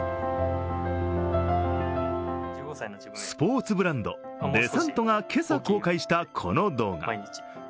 スポーツブランド、デサントが今朝公開したこの動画。